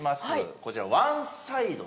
こちらワンサイドという。